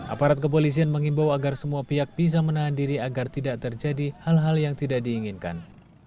aparat kepolisian mengimbau agar semua pihak bisa menahan diri agar tidak terjadi hal hal yang tidak diinginkan